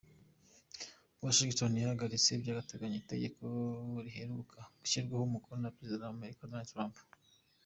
Washington yahagaritse by’agateganyo itegeko riheruka gushyirwaho umukono na perezida w’Amerika Donald Trump.